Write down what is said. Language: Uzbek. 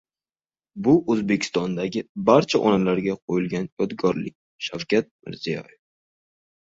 «Bu O‘zbekistondagi barcha onalarga qo‘yilgan yodgorlik» – Shavkat Mirziyoyev